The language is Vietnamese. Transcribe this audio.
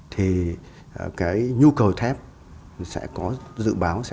thì nhu cầu thép sẽ có dự báo